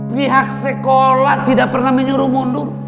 pihak sekolah tidak pernah menyuruh mundur